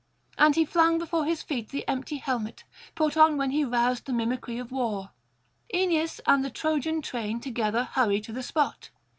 and he flung before his feet the empty helmet, put on when he roused the mimicry of war. Aeneas and the Trojan train together hurry to the spot.